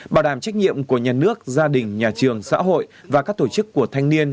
bảo đảm trách nhiệm của nhà nước gia đình nhà trường xã hội và các tổ chức của thanh niên